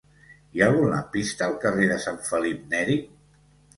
Hi ha algun lampista al carrer de Sant Felip Neri?